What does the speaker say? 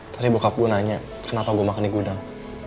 tadi bokap gue nanya kenapa gue makan di gudang